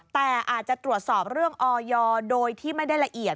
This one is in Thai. แต่อาจจะตรวจสอบเรื่องออยโดยที่ไม่ได้ละเอียด